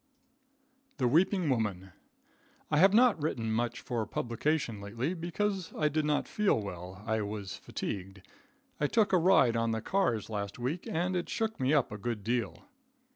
The Weeping Woman. I have not written much for publication lately, because I did not feel well, I was fatigued. I took a ride on the cars last week and it shook me up a good deal.